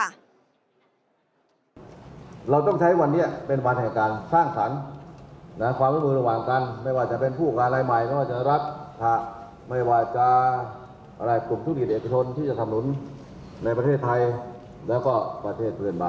มาเวลาว่าเที่ยงให้ผู้หญญาณที่สามารถถูกภาระเชื่อแรงไปถูกตามรัฐศัตริย์ที้